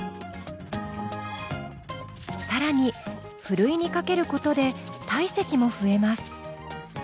更にふるいにかけることで体積も増えます。